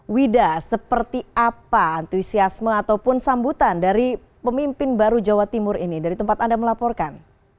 wida seperti apa antusiasme ataupun sambutan dari pemimpin baru jawa timur ini dari tempat anda melaporkan